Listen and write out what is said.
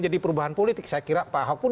jadi perubahan politik saya kira pak ahok pun